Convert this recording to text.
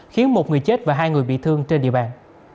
khiến một người chết và hai người bị thương trên địa bàn